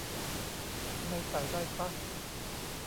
ไม่ใส่ได้ป๊ะ